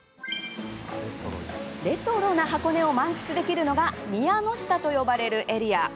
レトロな箱根を満喫できるのが宮ノ下と呼ばれるエリア。